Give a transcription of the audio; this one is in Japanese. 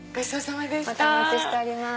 またお待ちしております。